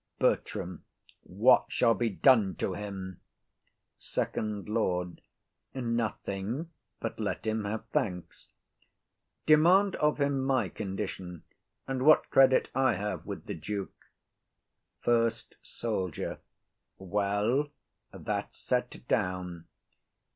BERTRAM. What shall be done to him? FIRST LORD. Nothing, but let him have thanks. Demand of him my condition, and what credit I have with the duke. FIRST SOLDIER. Well, that's set down.